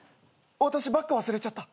私バッグ忘れちゃった。